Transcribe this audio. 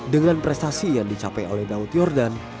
dengan prestasi yang dicapai oleh daud yordan